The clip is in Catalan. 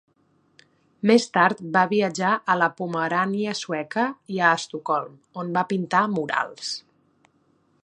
Més tard va viatjar a la Pomerània Sueca i a Estocolm, on va pintar murals.